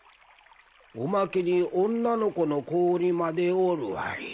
おまけに女の子の小鬼までおるわい。